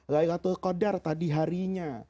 laylatul qadar tadi harinya